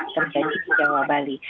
terjadi di jawa bali